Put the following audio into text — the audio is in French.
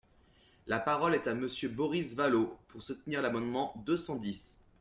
La parole est à Monsieur Boris Vallaud, pour soutenir l’amendement numéro deux cent dix.